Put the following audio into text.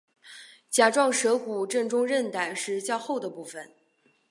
甲状舌骨正中韧带是较厚的部分。